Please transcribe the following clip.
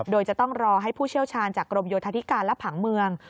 โดยจะต้องรอให้ผู้เชี่ยวชาญจากกรมโยธาธิการและผังเมือง